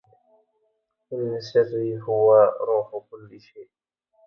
إن سري هو روح كل شي